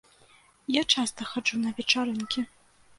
Я часта хаджу на вечарынкі.